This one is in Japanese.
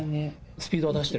スピードは出してる？